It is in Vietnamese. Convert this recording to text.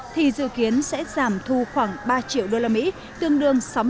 thì dự kiến sẽ giảm thu khoảng ba triệu usd tương đương sáu mươi